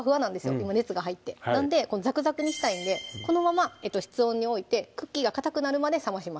今熱が入ってなんでザクザクにしたいんでこのまま室温に置いてクッキーがかたくなるまで冷まします